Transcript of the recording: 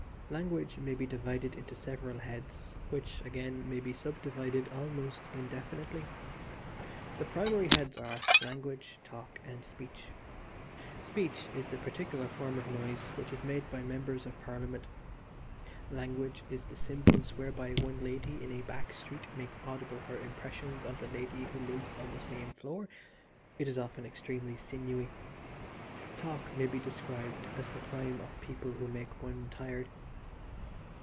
Language may be divided into several heads, which, again, may be subdivided almost indefinitely. The primary heads are, language, talk, and speech. Speech is the particular form of noise which is made by Members of Parliament. Language is the symbols whereby one lady in a back street makes audible her impressions of the lady who lives on the same floor it is often extremely sinewy. Talk may be described as the crime of people who make one tired.